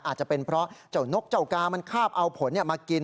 อาจจะเป็นเพราะเจ้านกเจ้ากามันคาบเอาผลมากิน